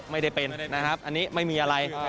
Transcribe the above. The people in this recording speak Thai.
ไม่ได้เป็นนะครับอันนี้ไม่มีอะไร